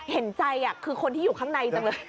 เห็นใจคือคนที่อยู่ข้างในจังเลย